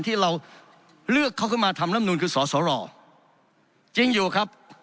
ที่เราเลือกเขาขึ้นมาทำลำนูนคือสสรจริงอยู่ครับ